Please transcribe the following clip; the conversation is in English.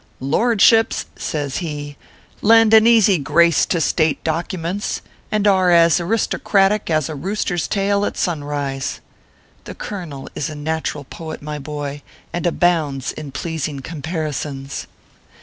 " Lordships," says he, "lend an easy grace to State documents, and are as aristocratic as a rooster s tail at sunrise." The colonel is a natural poet, my boy, and abounds in pleasing comparisons.